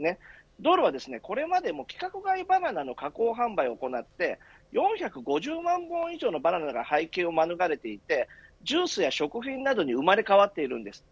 ドールはこれまでも規格外バナナの加工販売を行って４５０万本以上のバナナが廃棄をまぬがれていてジュースや食品などに生まれ変わっているんです。